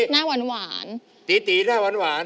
เราทำงานแล้ว